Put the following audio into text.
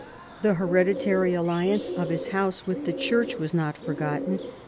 The hereditary alliance of his house with the Church was not forgotten.